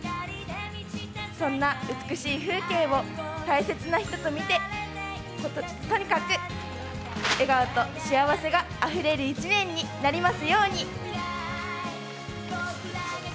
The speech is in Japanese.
そんな美しい風景を大切な人と見てとにかく、笑顔と幸せがあふれる１年になりますように。